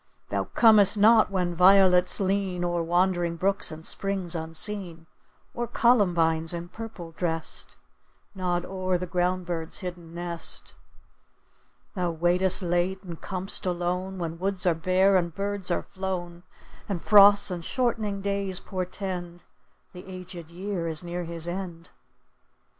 Thou comest not when violets lean O'er wandering brooks and springs unseen, Or columbines, in purple dressed, Nod o'er the ground bird's hidden nest. Thou waitest late and com'st alone, When woods are bare and birds are flown, And frosts and shortening days portend The aged year is near his end.